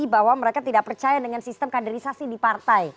bahwa mereka tidak percaya dengan sistem kaderisasi di partai